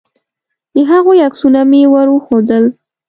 د هغوی عکسونه مې ور وښودل.